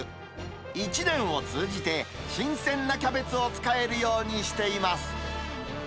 １年を通じて、新鮮なキャベツを使えるようにしています。